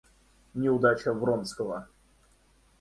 Неудача Вронского.